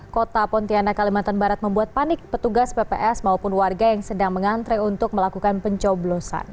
kota pontianak kalimantan barat membuat panik petugas pps maupun warga yang sedang mengantre untuk melakukan pencoblosan